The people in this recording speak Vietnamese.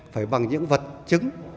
phải bằng những vật chứng